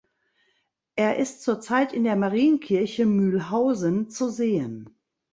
Er ist zur Zeit in der Marienkirche (Mühlhausen) zu sehen.